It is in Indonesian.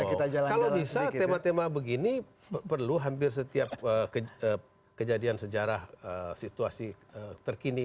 kalau bisa tema tema begini perlu hampir setiap kejadian sejarah situasi terkini